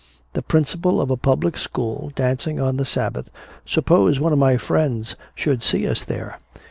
"The principal of a public school dancing on the Sabbath. Suppose one of my friends should see us there."